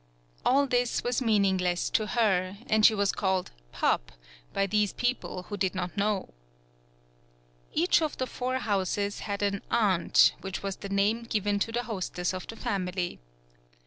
All this was meaningless to her, and she was called Pup by these people who did not know. Each of the four houses had an "aunt," which was the name given to the hostess of the family.